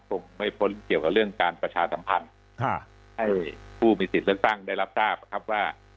คงไม่พ้นเกี่ยวกับเรื่องการประชาสัมพันธ์ให้ผู้มีสิทธิ์เลือกตั้งได้รับทราบครับว่า